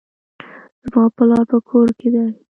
زما پلار په کور کښي دئ.